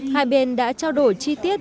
hai bên đã trao đổi chi tiết